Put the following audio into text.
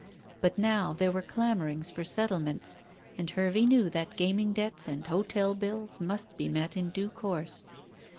But now there were clamourings for settlements, and Hervey knew that gaming debts and hotel bills must be met in due course.